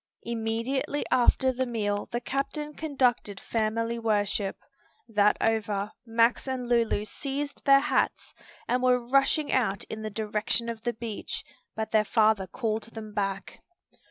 Immediately after the meal the captain conducted family worship. That over, Max and Lulu seized their hats, and were rushing out in the direction of the beach, but their father called them back.